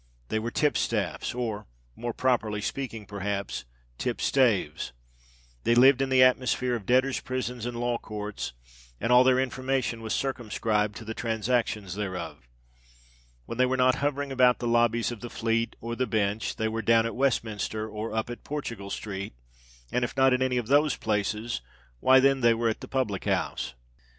They were tipstaffs—or, more properly speaking, perhaps, tipstaves: they lived in the atmosphere of debtors' prisons and law courts;—and all their information was circumscribed to the transactions thereof. When they were not hovering about the lobbies of the Fleet or the Bench, they were "down at Westminster," or "up at Portugal Street;" and if not in any of those places—why, then they were at the public house.